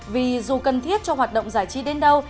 vì dù cần thiết cho hoạt động giải trí đến đâu